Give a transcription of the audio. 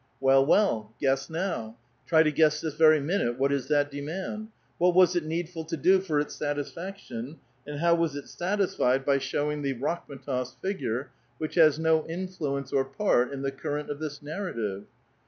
Well, well! Guess now. Tr}* to guess this vei^ minute what is that demand. What was it needful to do for its satisfaction? and how was it satisfied by showing thee Rakhm^tof's figure, which has no influence or part in the cur rent of this narrative?